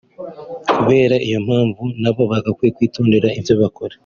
Kubera iyo mpamvu nabo ngo bagakwiye kwitondera ibyo bakora